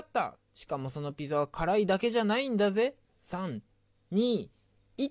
しかもそのピザは辛いだけじゃないんだぜ。